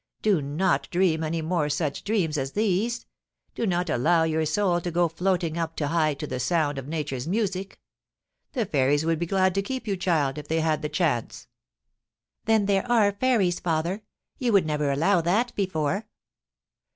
* Do not dream any more such dreams as these. Do not allow your soul to go floating up too high to the sound of Nature's music The fairies would be glad to keep you, child, if they had the chance.* * Then there are fairies, father ! You would never allow that before.